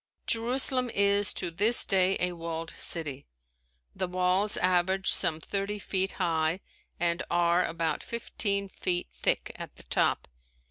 Jerusalem is to this day a walled city. The walls average some thirty feet high and are about fifteen feet thick at the top.